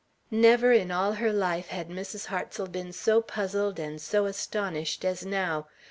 Never in all her life had Mrs. Hartsel been so puzzled and so astonished as now.